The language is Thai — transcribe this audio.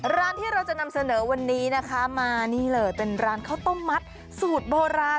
ร้านที่เราจะนำเสนอวันนี้นะคะมานี่เลยเป็นร้านข้าวต้มมัดสูตรโบราณ